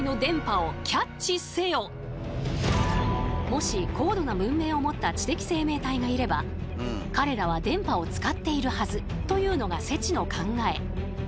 もし高度な文明を持った知的生命体がいれば彼らは電波を使っているはずというのがＳＥＴＩの考え。